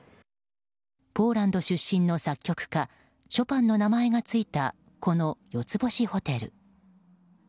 ポーランド出身の作曲家ショパンの名前がついたこの４つ星ホテル。